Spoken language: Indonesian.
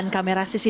sembilan kamera cctv